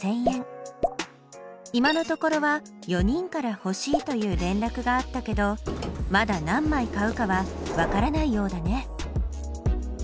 今のところは４人から欲しいという連絡があったけどまだ何枚買うかはわからないようだね。